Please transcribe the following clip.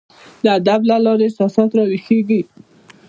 د ادب له لاري احساسات راویښیږي.